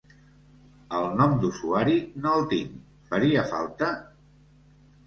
El nom d'usuari no el tinc, faria falta?